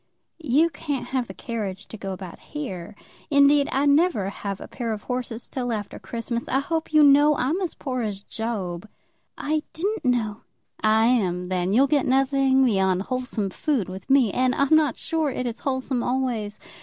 "You can't have the carriage to go about here. Indeed, I never have a pair of horses till after Christmas. I hope you know that I'm as poor as Job." "I didn't know." "I am, then. You'll get nothing beyond wholesome food with me. And I'm not sure it is wholesome always.